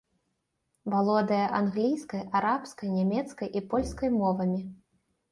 Валодае англійскай, арабскай, нямецкай і польскай мовамі.